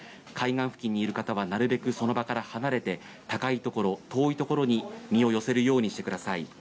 海岸付近にいる方はなるべくその場から離れて高いところ、遠いところに身を寄せてください。